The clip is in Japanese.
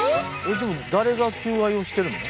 でも誰が求愛をしてるの？